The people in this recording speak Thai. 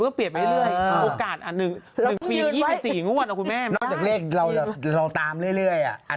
ก็เปลี่ยนไปเรื่อยโอกาสอันนึงมีรายนอนพอเรียกเราตามเรื่อยอ่า